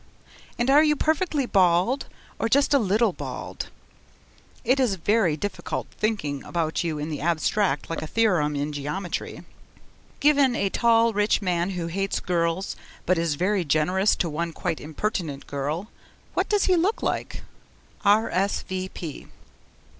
And are you perfectly bald or just a little bald? It is very difficult thinking about you in the abstract like a theorem in geometry. Given a tall rich man who hates girls, but is very generous to one quite impertinent girl, what does he look like? R.S.V.